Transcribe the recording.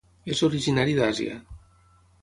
És originari d'Àsia.